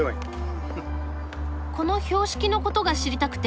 この標識のことが知りたくて。